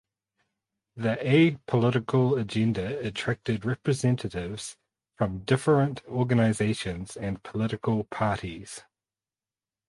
The apolitical agenda attracted representatives from different organizations and political parties.